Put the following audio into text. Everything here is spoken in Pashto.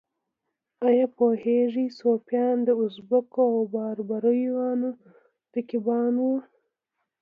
ایا پوهیږئ صفویان د ازبکو او بابریانو رقیبان وو؟